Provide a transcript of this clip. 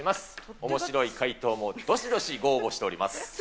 おもしろい回答もどしどしご応募しております。